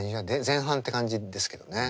前半って感じですけどね。